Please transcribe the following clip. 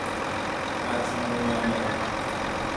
مجنونانه